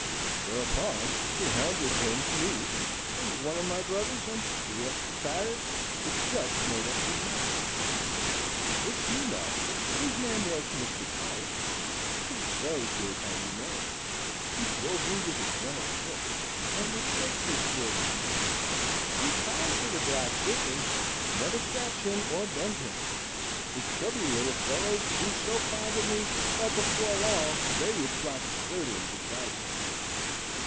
Whereupon he handed him me and one of my brothers and three extra tires, which just made up the amount. This new master, whose name was Mr. Pious, was very good and humane. He drove me with a gentle foot, and he would say to his children: "Be kind to Black Jitney. Never scratch him or bend him." The chubby little fellows grew so fond of me that before long they would trot sturdily beside me.